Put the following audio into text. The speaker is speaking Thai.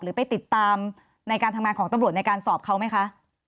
ไปติดตามในการทำงานของตำรวจในการสอบเขาไหมคะ